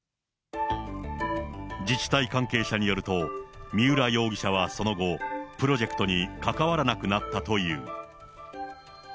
自治体関係者によると、三浦容疑者はその後、プロジェクトに関わらなくなったという。